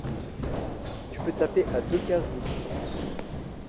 Tu peux taper à deux cases de distances.